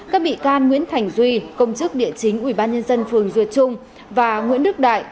các bị can nguyễn thành duy công chức địa chính ubnd phường duyệt trung và nguyễn đức đại